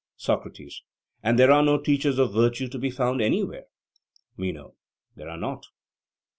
SOCRATES: And there are no teachers of virtue to be found anywhere? MENO: There are not.